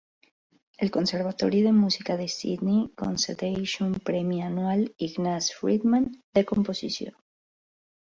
El Conservatori de Música de Sydney concedeix un premi anual Ignaz Friedman de composició.